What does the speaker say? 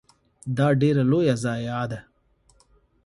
دا ډیره لوی ضایعه ده .